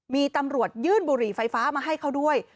มีตำรวจยื่นบุหรี่ไฟฟ้ามาให้เขาด้วย